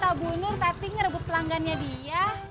mbak kok kata bu nur tadi ngerebut pelanggannya dia